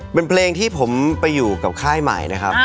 เป็นเพลงที่ผมไปอยู่กับค่ายใหม่นะครับ